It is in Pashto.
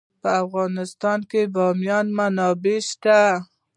په افغانستان کې د بامیان منابع شته.